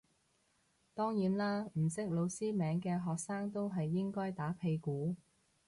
當然啦唔識老師名嘅學生都係應該打屁股